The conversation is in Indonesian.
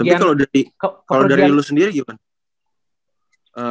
tapi kalo dari lo sendiri gimana